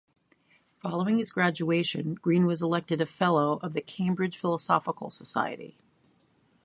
Following his graduation, Green was elected a fellow of the Cambridge Philosophical Society.